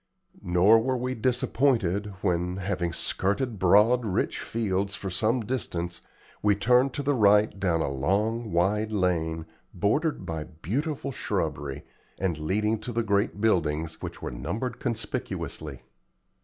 Nor were we disappointed when, having skirted broad, rich fields for some distance, we turned to the right down a long, wide lane, bordered by beautiful shrubbery, and leading to the great buildings, which were numbered conspicuously.